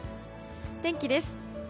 天気です。